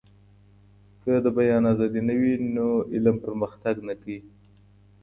که د بيان ازادي نه وي نو علم پرمختګ نه کوي.